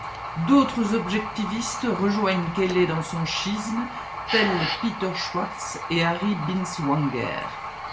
D'autres objectivistes rejoignent Kelley dans son schisme, tels Peter Schwartz et Harry Binswanger.